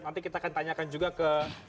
nanti kita akan tanyakan juga ke